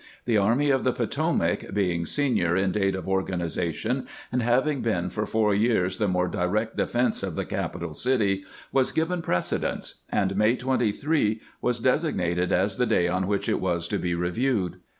The Army of the Potomac, being senior in date of organiza tion, and having been for four years the more direct defense of the capital city, was given precedence, and May 23 was designated as the day on which it was to be reviewed.